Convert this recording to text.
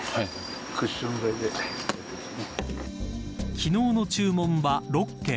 昨日の注文は６件。